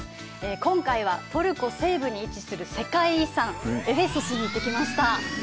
今回は、トルコ西部に位置する世界遺産、エフェソスに行ってきました。